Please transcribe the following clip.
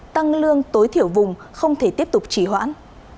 tăng lương tối thiểu vùng không thể tiếp tục chỉ hoãn